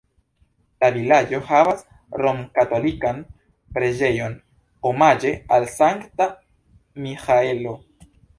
La vilaĝo havas romkatolikan preĝejon omaĝe al Sankta Miĥaelo.